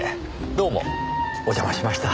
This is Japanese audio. どうもお邪魔しました。